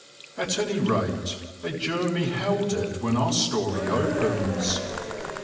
At any rate a Jermy held it when our story opens.